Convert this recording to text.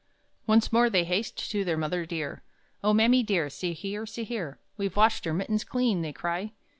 Once more they haste to their mother dear; "Oh mammy dear, see here, see here, We've washed our mittens clean!" they cry.